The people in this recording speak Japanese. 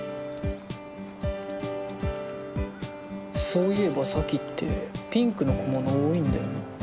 そういば咲ってピンクの小物多いんだよな。